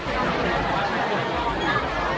การรับความรักมันเป็นอย่างไร